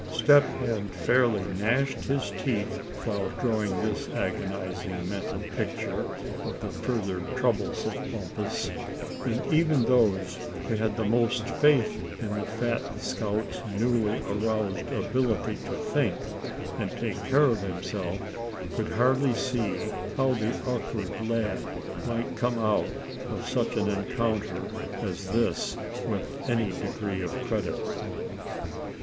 Step Hen fairly gnashed his teeth while drawing this agonizing mental picture of the further troubles of Bumpus. And even those who had the most faith in the fat scout's newly aroused ability to think, and take care of himself, could hardly see how the awkward lad might come out of such an encounter as this with any degree of credit.